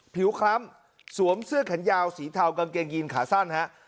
คล้ำสวมเสื้อแขนยาวสีเทากางเกงยีนขาสั้นฮะ